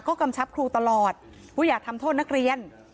ก็กำชับครูตลอดว่าอย่าทำโทษนักเรียน